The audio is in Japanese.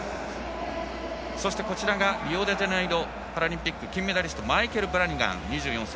そして、リオデジャネイロパラリンピックの金メダリストマイケル・ブラニガン、２４歳。